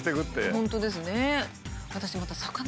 本当ですね。